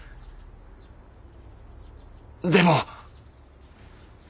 でも。